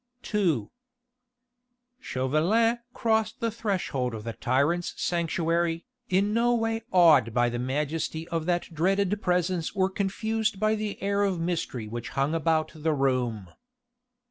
II Chauvelin crossed the threshold of the tyrant's sanctuary, in no way awed by the majesty of that dreaded presence or confused by the air of mystery which hung about the room.